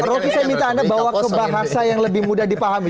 rocky saya minta anda bawa ke bahasa yang lebih mudah dipahami